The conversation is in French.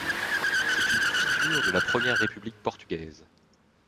C'est une figure de la Première République portugaise.